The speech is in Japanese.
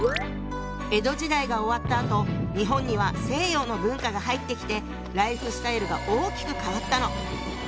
江戸時代が終わったあと日本には西洋の文化が入ってきてライフスタイルが大きく変わったの。